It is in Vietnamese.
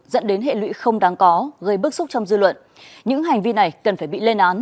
dẫn đến hệ lụy không đáng có gây bức xúc trong dư luận những hành vi này cần phải bị lên án